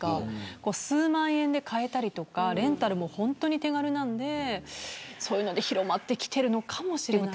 これは数万円で買えたりとかレンタルも手軽なんでそういうので広まってきているのかもしれないですね。